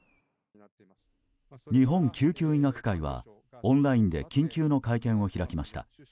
日本救急医学会はオンラインで緊急の会見を開きました。